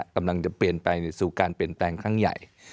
กำลังจะเปลี่ยนไปสู่การเปลี่ยนแปลงครั้งใหญ่